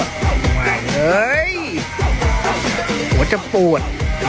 เฮ้ยหัวจะปวด